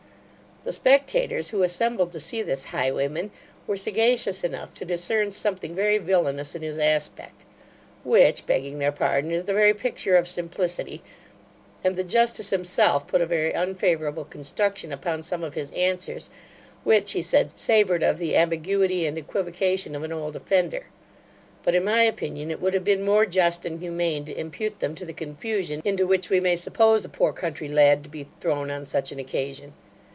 The spectators, who assembled to see this highwayman, were sagacious enough to discern something very villainous in his aspect; which (begging their pardon) is the very picture of simplicity; and the justice himself put a very unfavourable construction upon some of his answers, which, he said, savoured of the ambiguity and equivocation of an old offender; but, in my opinion, it would have been more just and humane to impute them to the confusion into which we may suppose a poor country lad to be thrown on such an occasion.